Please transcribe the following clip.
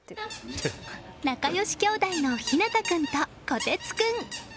仲良し兄弟の日向君と、こてつ君。